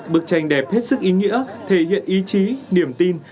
bức tranh đẹp hết sức ý nghĩa thể hiện ý chí niềm tin